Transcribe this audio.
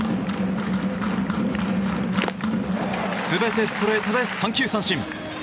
全てストレートで三球三振。